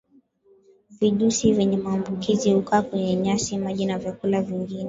Vijusi vyenye maambukizi hukaa kwenye nyasi maji na vyakula vingine